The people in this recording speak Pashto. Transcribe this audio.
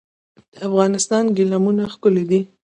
د افغانستان ګلیمونه ښکلي دي